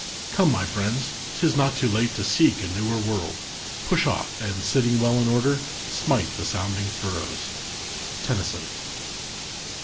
" Come, my friends, Tis not too late to seek a newer world. Push off, and sitting well in order, smite The sounding furrows." TENNYSON.